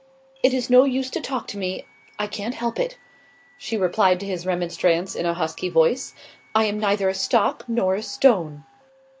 "It is no use to talk to me, I can't help it," she replied to his remonstrance, in a husky voice. "I am neither a stock nor a stone."